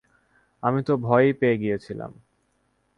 আমি তো ভয়ই পেয়ে গিয়েছিলাম।